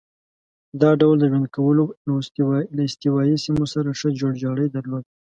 دا ډول د ژوند کولو له استوایي سیمو سره ښه جوړ جاړی درلود.